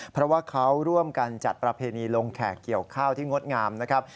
เพราะว่าเขาร่วมกันจัดประเพณีลงแขกเกี่ยวข้าวที่งดงามนะครับ